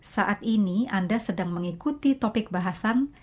saat ini anda sedang mengikuti topik bahasan